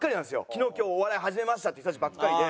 昨日今日お笑い始めましたっていう人たちばっかりで。